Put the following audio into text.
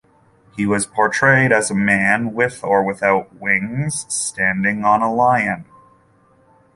He was portrayed as a man with or without wings, standing on a lion.